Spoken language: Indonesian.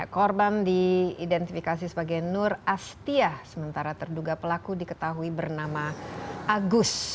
korban diidentifikasi sebagai nur astiah sementara terduga pelaku diketahui bernama agus